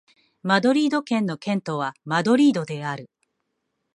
マドリード県の県都はマドリードである